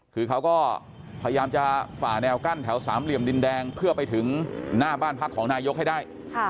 คือเขาก็พยายามจะฝ่าแนวกั้นแถวสามเหลี่ยมดินแดงเพื่อไปถึงหน้าบ้านพักของนายกให้ได้